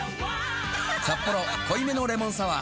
「サッポロ濃いめのレモンサワー」